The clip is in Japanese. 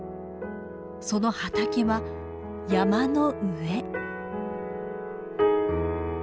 その畑は山の上。